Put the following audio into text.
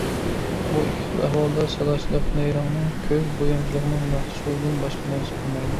بۇ ئىككىلى خىل ئەھۋالدا سالاچىلىق نەيرەڭنىڭ، كۆز بويامچىلىقنىڭ مەھسۇلىدىن باشقا نەرسە بولمايدۇ.